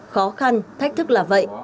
khó khăn thách thức là vậy